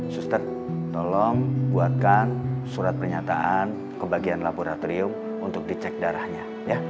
suster tolong buatkan surat pernyataan ke bagian laboratorium untuk dicek darahnya